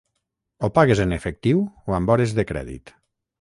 Ho pagues en efectiu o amb hores de crèdit?